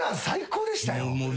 最高でしたよ。